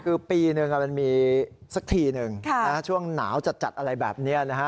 คือปีนึงมันมีสักทีหนึ่งช่วงหนาวจัดอะไรแบบนี้นะฮะ